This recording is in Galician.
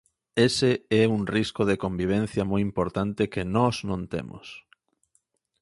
Ese é un risco de convivencia moi importante que nós non temos.